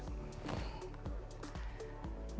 sisi dari leadenn